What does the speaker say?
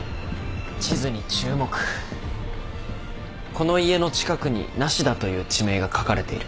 この家の近くに無田という地名が書かれている。